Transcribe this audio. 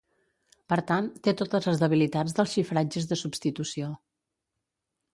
Per tant, té totes les debilitats dels xifratges de substitució.